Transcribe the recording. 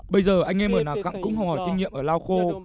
bây giờ anh em ở nà khăng cũng học hỏi kinh nghiệm ở lào khu